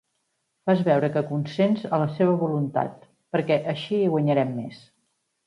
Fes veure que consents a la seva voluntat, perquè així hi guanyarem més.